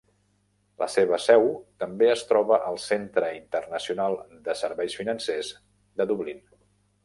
La seva seu també es troba al Centre Internacional de Serveis Financers de Dublín.